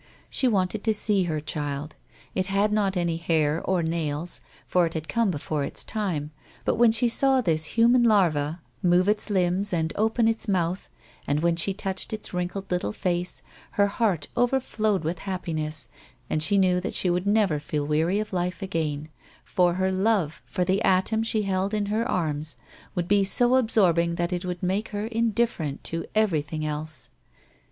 She wanted to see her child. It had not any hair or nails, for it had come before its time, but when she saw this human larva move its limbs and open its mouth, and when she touched its wrinkled little face, her heart over flowed with happiness, and she knew that she would never feel weary of life again, for her love for the atom she held in her arms would be so absorbing that it would make her indifi^erent to everything else.